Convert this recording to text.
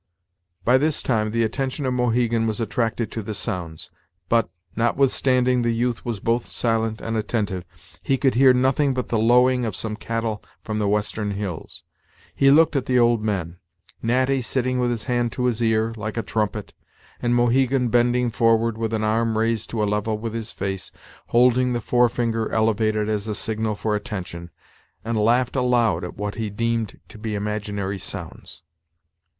By this time the attention of Mohegan was attracted to the sounds; but, notwithstanding the youth was both silent and attentive, he could hear nothing but the lowing of some cattle from the western hills. He looked at the old men, Natty sitting with his hand to his ear, like a trumpet, and Mohegan bending forward, with an arm raised to a level with his face, holding the forefinger elevated as a signal for attention, and laughed aloud at what he deemed to be imaginary sounds.